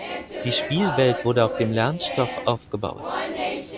Die Spielwelt wurde auf dem Lernstoff aufgebaut.